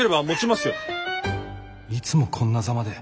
いつもこんなザマで。